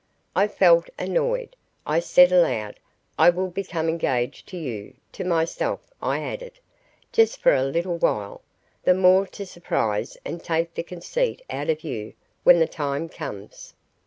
I felt annoyed. I said aloud, "I will become engaged to you;" to myself I added, "Just for a little while, the more to surprise and take the conceit out of you when the time comes."